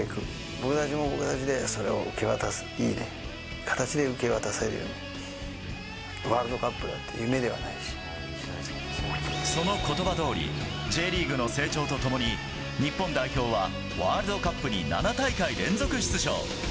僕たちも僕たちでそれを受け渡す形で受け渡せるようにワールドカそのことばどおり、Ｊリーグの成長とともに、日本代表はワールドカップに７大会連続出場。